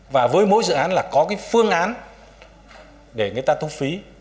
và với mỗi dự án là có cái phương án để người ta thu phí